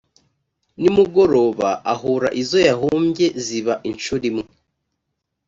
nimugoroba ahura izo yahumbye ziba incuro imwe